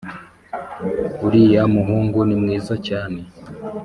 uriya muhungu ni mwiza cyane